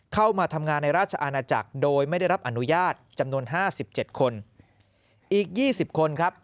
เข้ามาทำงานในราชอาณาจักรโดยไม่ได้รับอนุญาตจำนวนห้าสิบเจ็ดคนอีกยี่สิบคนครับ